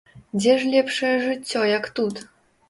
Дзе ж лепшае жыццё, як тут?